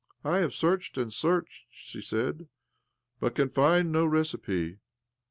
'' I have searched and searched," she said, ''but can find no recipe.